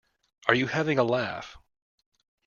Are you having a laugh?